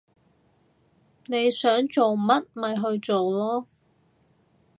你想做乜咪去做囉